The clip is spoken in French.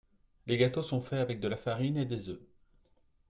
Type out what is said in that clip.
Les gâteaux sont fait avec de la farine et des œufs.